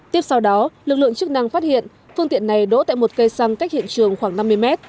tiếp sau đó lực lượng chức năng phát hiện phương tiện này đổ tại một cây xăng cách hiện trường khoảng năm mươi mét